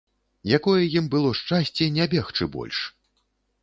Якое ім было шчасце не бегчы больш!